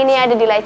ini ada di leci